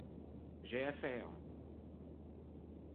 J'ai affaire.